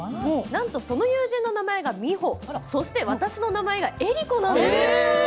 なんと、その友人の名前がミホそして私の名前がエリコなんです。